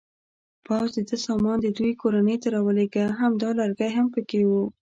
پوځ د ده سامان د دوی کورنۍ ته راولېږه، همدا لرګی هم پکې و.